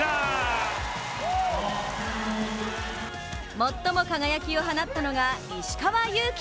最も輝きを放ったのが、石川祐希。